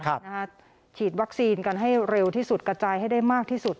ฉีดวัคซีนกันให้เร็วที่สุดกระจายให้ได้มากที่สุด